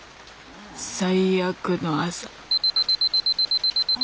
最悪の朝あ。